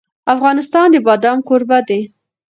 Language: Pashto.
افغانستان د بادام کوربه دی.